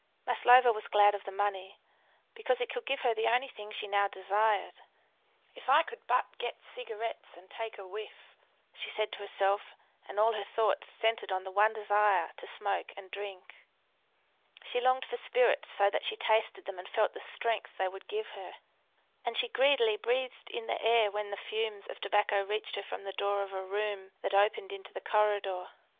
Maslova was glad of the money, because it could give her the only thing she now desired. "If I could but get cigarettes and take a whiff!" she said to herself, and all her thoughts centred on the one desire to smoke and drink. She longed for spirits so that she tasted them and felt the strength they would give her; and she greedily breathed in the air when the fumes of tobacco reached her from the door of a room that opened into the corridor.